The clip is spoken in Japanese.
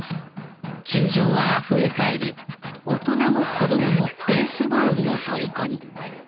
球場はあふれかえり大人も子どももベースボールの虜に。